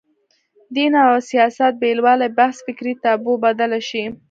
دین او سیاست بېلوالي بحث فکري تابو بدله شي